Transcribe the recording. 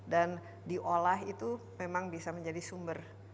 dan diolah itu memang bisa menjadi sumber